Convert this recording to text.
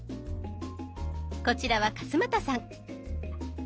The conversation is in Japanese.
こちらは勝俣さん。